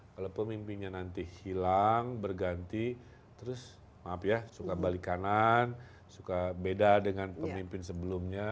kalau pemimpinnya nanti hilang berganti terus maaf ya suka balik kanan suka beda dengan pemimpin sebelumnya